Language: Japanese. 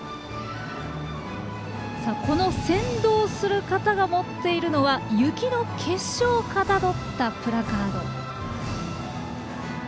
この先導する方が持っているのは雪の結晶をかたどったプラカード。